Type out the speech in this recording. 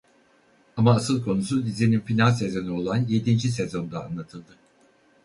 Ama asıl konusu dizinin final sezonu olan yedinci sezonda anlatıldı.